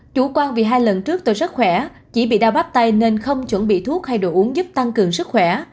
chủ quan vì hai lần trước tôi rất khỏe chỉ bị đau bắp tay nên không chuẩn bị thuốc hay đồ uống giúp tăng cường sức khỏe